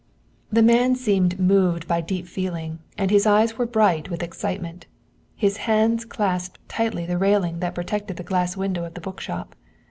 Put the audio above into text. The man seemed moved by deep feeling, and his eyes were bright with excitement. His hands clasped tightly the railing that protected the glass window of the book shop.